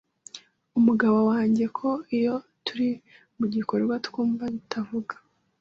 umugabo wanjye ko iyo turi mu gikorwa twumva bitavuga,